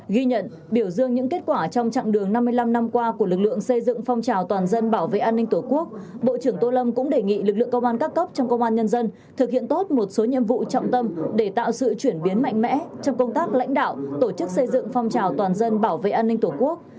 ghi nhận biểu dương những kết quả trong chặng đường năm mươi năm năm qua của lực lượng xây dựng phong trào toàn dân bảo vệ an ninh tổ quốc bộ trưởng tô lâm cũng đề nghị lực lượng công an các cấp trong công an nhân dân thực hiện tốt một số nhiệm vụ trọng tâm để tạo sự chuyển biến mạnh mẽ trong công tác lãnh đạo tổ chức xây dựng phong trào toàn dân bảo vệ an ninh tổ quốc